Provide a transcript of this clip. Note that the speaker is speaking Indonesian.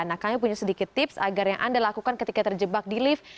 nah kami punya sedikit tips agar yang anda lakukan ketika terjebak di lift